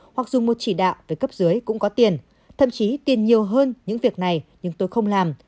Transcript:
hoặc dùng một chỉ đạo về cấp dưới cũng có tiền thậm chí tiền nhiều hơn những việc này nhưng tôi không làm